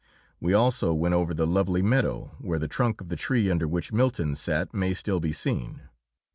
We also went over the lovely meadow where the trunk of the tree under which Milton sat may still be seen.